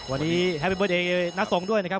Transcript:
วันนี้แฮปปิบอดเดย์นัททรงด้วยนะครับ